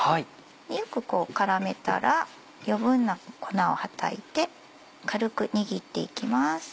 よく絡めたら余分な粉をはたいて軽く握っていきます。